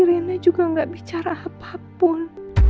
rina juga gak bicara apapun